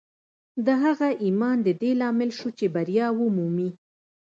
د هغه ایمان د دې لامل شو چې بریا ومومي